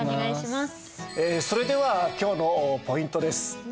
それでは今日のポイントです。